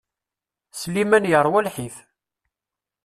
Sliman yerwa lḥif.